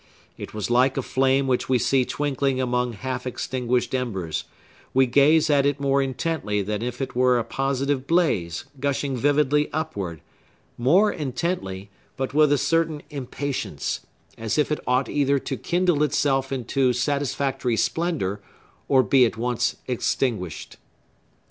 It was like a flame which we see twinkling among half extinguished embers; we gaze at it more intently than if it were a positive blaze, gushing vividly upward,—more intently, but with a certain impatience, as if it ought either to kindle itself into satisfactory splendor, or be at once extinguished.